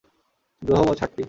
গ্রহ মোট সাতটি।